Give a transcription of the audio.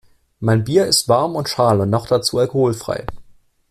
Mein Bier ist warm und schal und noch dazu alkoholfrei.